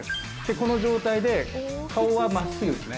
この状態で顔は真っすぐですね。